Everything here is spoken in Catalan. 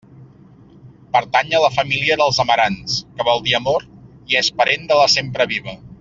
Pertany a la família dels amarants, que vol dir amor, i és parent de la sempreviva.